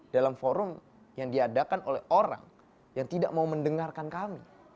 dalam forum yang diadakan oleh orang yang tidak mau mendengarkan kami